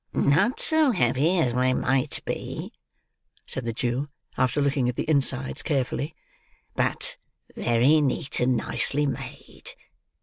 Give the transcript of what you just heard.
"Not so heavy as they might be," said the Jew, after looking at the insides carefully; "but very neat and nicely made.